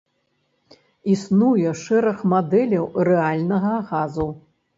Існуе шэраг мадэляў рэальнага газу.